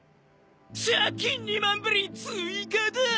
借金２万ベリー追加だ！